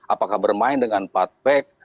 apakah bermain dengan empat back